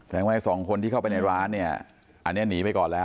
แสดงว่าไอ้สองคนที่เข้าไปในร้านเนี่ยอันนี้หนีไปก่อนแล้ว